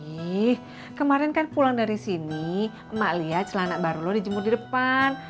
ih kemarin kan pulang dari sini mak liat celana baru lo dijemur di depan